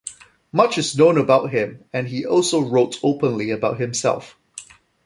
Much is known about him, and he also wrote openly about himself.